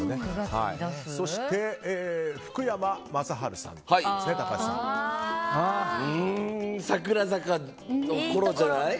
そして福山雅治さんですね。